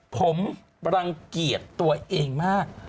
ผมรังเกียจตัวเองมาก